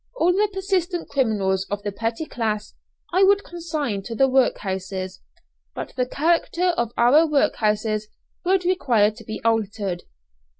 All the persistent criminals of the petty class, I would consign to the workhouses; but the character of our workhouses would require to be altered.